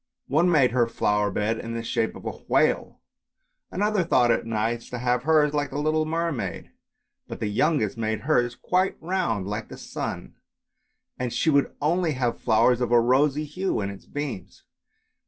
One made her flower bed in the shape of a whale, another thought it nice to have hers like a little mermaid; but the youngest made hers quite round like the sun, and she would only have flowers of a rosy hue like its beams.